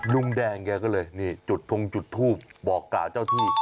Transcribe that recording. ลุงแดงแกก็เลยนี่จุดทงจุดทูปบอกกล่าวเจ้าที่